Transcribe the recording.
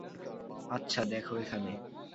আচ্ছা, দ্যাখো এখানে!